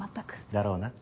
だろうな。